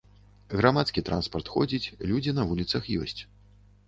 Грамадскі транспарт ходзіць, людзі на вуліцах ёсць.